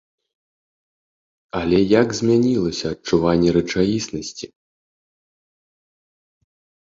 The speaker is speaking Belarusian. Але як змянілася адчуванне рэчаіснасці!